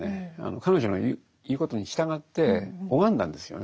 彼女の言うことに従って拝んだんですよね